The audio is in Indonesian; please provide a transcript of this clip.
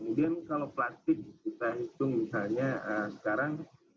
kemudian kalau plastik kita hitung misalnya sekarang